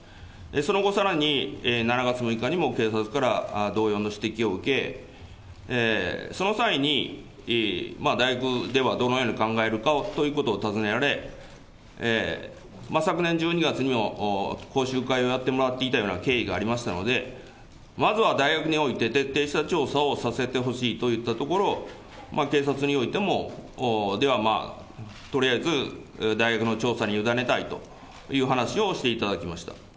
その後、さらに７月６日にも警察から同様の指摘を受け、その際に、大学ではどのように考えるかということを尋ねられ、昨年１２月にも講習会をやってもらっていたような経緯がありましたので、まずは大学において徹底した調査をさせてほしいと言ったところ、警察においても、ではまあ、とりあえず大学の調査に委ねたいという話をしていただきました。